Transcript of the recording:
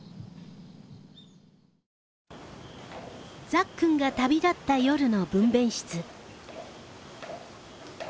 ザッくんが旅立った夜の分娩室。